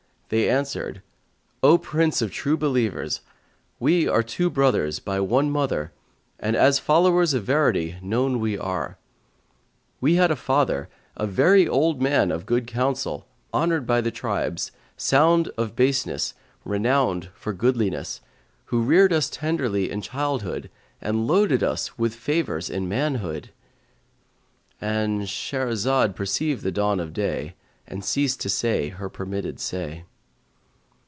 They answered, "O Prince of True Believers, we are two brothers by one mother and as followers of verity known are we. We had a father, a very old man of good counsel, honoured by the tribes, sound of baseness renowned for goodliness, who reared us tenderly in childhood, and loaded us with favours in manhood;"—And Shahrazad perceived the dawn of day and ceased to say her permitted say.